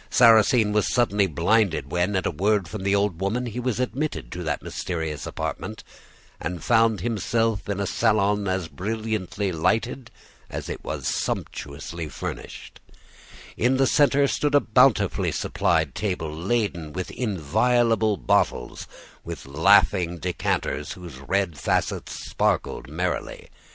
Sarrasine was suddenly blinded when, at a word from the old woman, he was admitted to that mysterious apartment and found himself in a salon as brilliantly lighted as it was sumptuously furnished; in the centre stood a bountifully supplied table, laden with inviolable bottles, with laughing decanters whose red facets sparkled merrily.